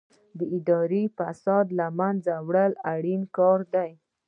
د اداري فساد له منځه وړل اړین کار دی.